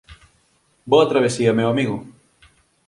Boa travesía, meu amigo!